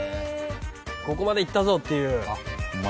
ここまでいったぞっていう。